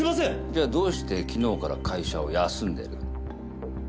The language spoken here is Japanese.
じゃあどうして昨日から会社を休んでる？